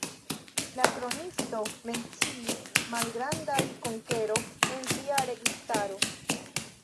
La kronikisto menciis malgrandaj konkero en sia registaro.